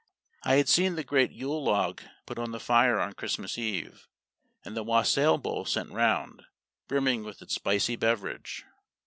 I had seen the great Yule log put on the fire on Christmas Eve, and the wassail bowl sent round, brimming with its spicy beverage.